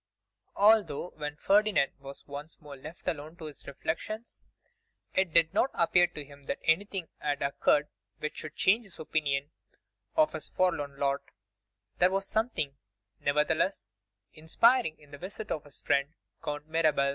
ALTHOUGH, when Ferdinand was once more left alone to his reflections, it did not appear to him that anything had occurred which should change his opinion of his forlorn lot, there was something, nevertheless, inspiring in the visit of his friend Count Mirabel.